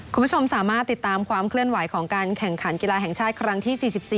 คุณผู้ชมสามารถติดตามความเคลื่อนไหวของการแข่งขันกีฬาแห่งชาติครั้งที่๔๔